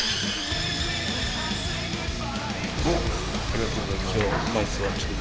ありがとうございます。